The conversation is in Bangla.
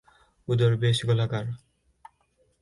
উদর বেশ গোলাকার।